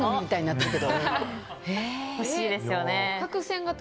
欲しいですよね。